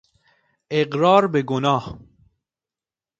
اقرار به گناه